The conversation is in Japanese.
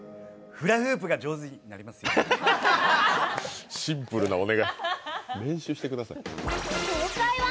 フラフープが上手になりますように。